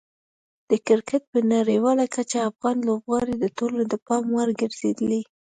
د کرکټ په نړیواله کچه افغان لوبغاړي د ټولو د پام وړ ګرځېدلي.